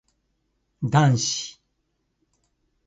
男子